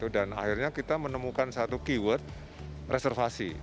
dan akhirnya kita menemukan satu keyword reservasi